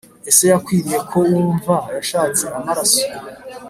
ese yakwiriye ko wumva yashatse amaraso,